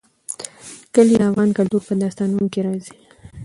کلي د افغان کلتور په داستانونو کې راځي.